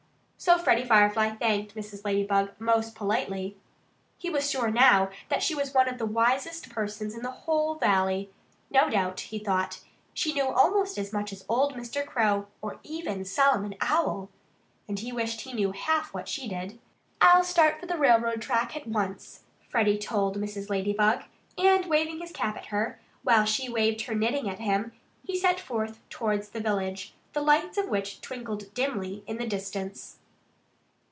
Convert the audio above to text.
So Freddie Firefly thanked Mrs. Ladybug most politely. He was sure, now, that she was one of the wisest persons in the whole valley. No doubt, he thought, she knew almost as much as old Mr. Crow, or even Solomon Owl. And he wished he knew half what she did. "I'll start for the railroad track at once," Freddie told Mrs. Ladybug. And waving his cap at her, while she waved her knitting at him, he set forth towards the village, the lights of which twinkled dimly in the distance.